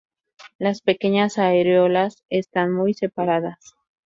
Las pequeñas areolas están muy separadas.